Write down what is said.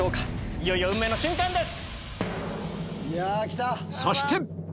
いよいよ運命の瞬間です！